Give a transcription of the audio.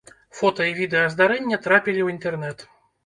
Фота і відэа здарэння трапілі ў інтэрнэт.